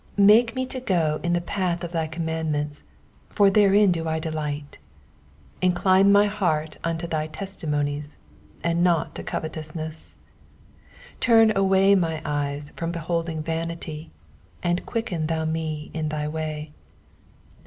35 Make me to go in the path of thy commandments ; for therein do I delight. 36 Incline my heart unto thy testimonies, and not to'covetous ness. 37 Turn away mine eyes from beholding vanity ; and quicken thou me in thy way.